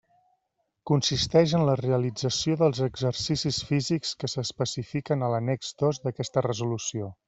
Consisteix en la realització dels exercicis físics que s'especifiquen a l'annex dos d'aquesta Resolució.